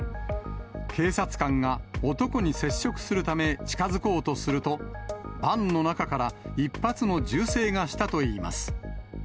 警察官が男に接触するため、近づこうとすると、バンの中から１発の銃声がしたといいます。